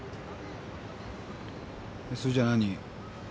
それじゃ何？